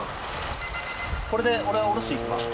これで俺は下ろしに行きます。